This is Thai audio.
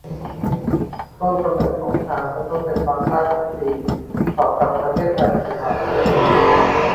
ต้นกำเนิดของชาก็ต้องเป็นตอนใต้ของจีน ต่อกับประเทศไทยปัจจุบัน